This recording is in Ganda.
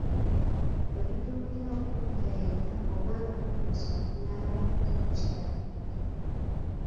Wetutuukira okudda eka oba nga tutuuse okunaaba tuba tetukyabijjukira.